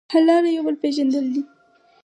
حل لاره یو بل پېژندل دي.